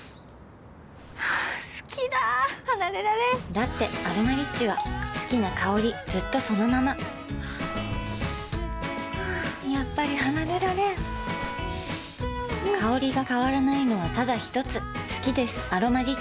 好きだ離れられんだって「アロマリッチ」は好きな香りずっとそのままやっぱり離れられん香りが変わらないのはただひとつ好きです「アロマリッチ」